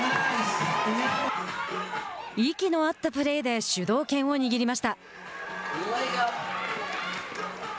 息の合ったプレーで主導権を握りました。